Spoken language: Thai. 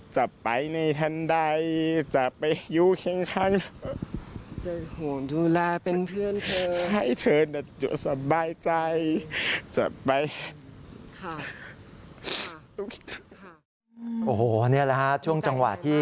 โอ้โหนี่แหละฮะช่วงจังหวะที่